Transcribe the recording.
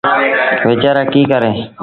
ويچآرآ ڪيٚ ڪريݩ۔